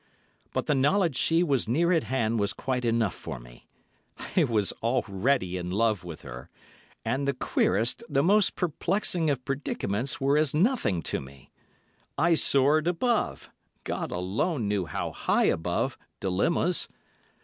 But the knowledge she was near at hand was quite enough for me. I was already in love with her—and the queerest, the most perplexing of predicaments were as nothing to me. I soared above—God alone knew how high above—dilemmas.